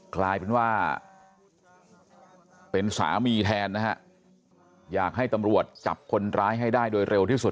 กลายเป็นว่าเป็นสามีแทนนะฮะอยากให้ตำรวจจับคนร้ายให้ได้โดยเร็วที่สุด